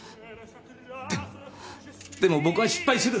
でもでも僕は失敗する。